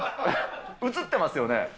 映ってますよね？